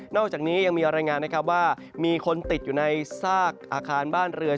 อกจากนี้ยังมีรายงานนะครับว่ามีคนติดอยู่ในซากอาคารบ้านเรือน